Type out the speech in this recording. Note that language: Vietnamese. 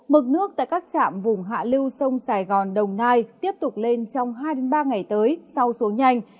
mực nước tại các trạm vùng hạ lưu sông sài gòn đồng nai tiếp tục lên trong hai ba ngày tới sau xuống nhanh